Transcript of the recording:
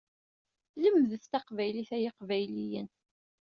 Lemdet taqbaylit ay iqbayliyen!